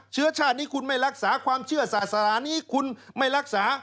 เชื้อชาตินี้คุณไม่รักษาความเชื่อศาสนานี้คุณไม่รักษา